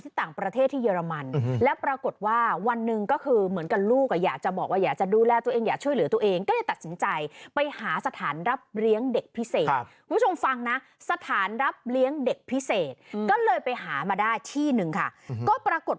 ที่ต่างประเทศที่เยอรมันแล้วปรากฏ